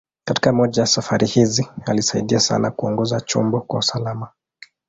Katika moja ya safari hizi, alisaidia sana kuongoza chombo kwa usalama.